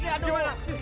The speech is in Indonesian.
kita kabur aja jum'at